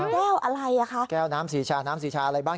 แก้วอะไรอ่ะคะแก้วน้ำศรีชาน้ำสีชาอะไรบ้าง